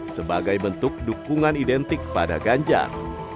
sebagai bentuk dukungan identik pada ganjar